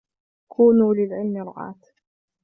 كُونُوا لِلْعِلْمِ رُعَاةً